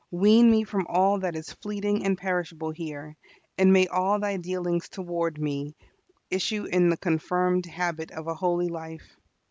Wean me from all that is fleeting and perishable here, and may all Thy dealings towards me issue in the confirmed habit of a holy life.